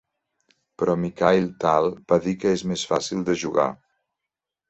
Però Mikhaïl Tal va dir que és més fàcil de jugar.